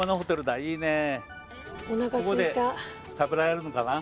ここで食べられるのかな。